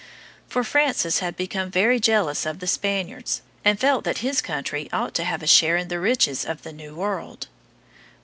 For Francis had become very jealous of the Spaniards, and felt that his country ought to have a share in the riches of the New World.